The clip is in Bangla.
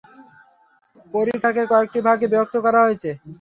পরিখাকে কয়েকটি ভাগে বিভক্ত করা হয়েছে।